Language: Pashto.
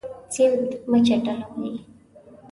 سیند مه چټلوئ.